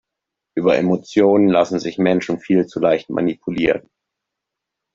Über Emotionen lassen sich Menschen viel zu leicht manipulieren.